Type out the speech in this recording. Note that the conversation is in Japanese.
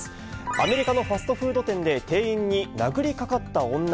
アメリカのファストフード店で店員に殴りかかった女。